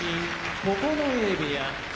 九重部屋